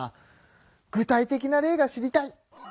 具体的な例が知りたい。